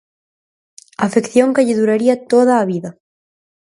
Afección que lle duraría toda a vida.